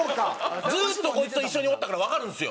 ずっとこいつと一緒におったからわかるんですよ。